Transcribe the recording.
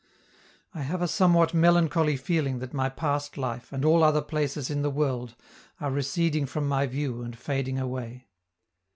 I have a somewhat melancholy feeling that my past life and all other places in the world are receding from my view and fading away.